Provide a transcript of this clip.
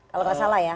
kalau tidak salah ya